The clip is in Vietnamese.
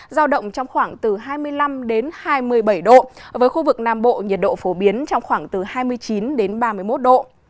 giao động trong khoảng từ hai mươi năm hai mươi bảy độ với khu vực nam bộ nhiệt độ phổ biến trong khoảng từ hai mươi chín đến ba mươi một độ